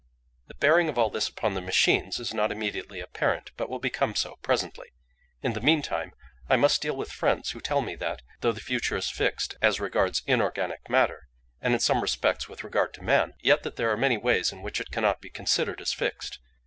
"The bearing of all this upon the machines is not immediately apparent, but will become so presently. In the meantime I must deal with friends who tell me that, though the future is fixed as regards inorganic matter, and in some respects with regard to man, yet that there are many ways in which it cannot be considered as fixed.